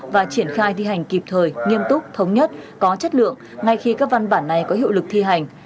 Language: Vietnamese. và triển khai thi hành kịp thời nghiêm túc thống nhất có chất lượng ngay khi các văn bản này có hiệu lực thi hành